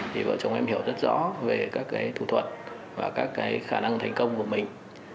thì vợ chồng em hiểu rất rõ về các cái thủ thuật và các cái khả năng thành công của mình